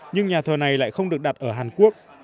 nhưng nhà thờ này lại không được đặt ở hàn quốc